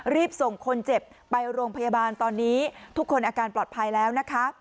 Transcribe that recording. รีบส่งคนเจ็บไปโรงพยาบาลตอนนี้ทุกคนอาการปลอดภัยแล้วนะคะ